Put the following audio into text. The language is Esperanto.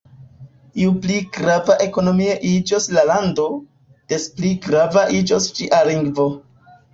Ju pli grava ekonomie iĝos la lando, des pli grava iĝos ĝia lingvo.